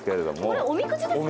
これ、おみくじですか？